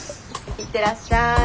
いってらっしゃい。